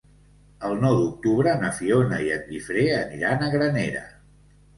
El nou d'octubre na Fiona i en Guifré aniran a Granera.